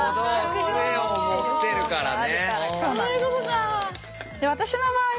杖を持ってるからね。